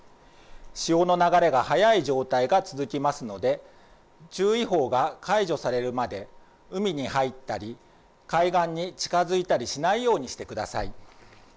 潮の流れが速い状態が続きますので注意報が解除されるまで海に入ったり、海岸に近づいたりしないようにしてください。